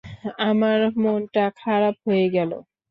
আমার মনটা খারাপ হয়ে গেল।